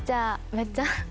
「めっちゃ」？